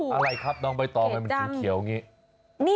อะไรครับน้องใบตองให้มันเขียวอย่างนี้